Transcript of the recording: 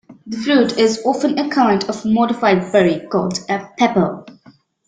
The fruit is often a kind of modified berry called a pepo.